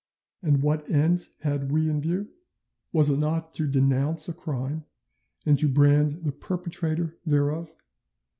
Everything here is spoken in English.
And what end had we in view? Was it not to denounce a crime and to brand the perpetrator thereof?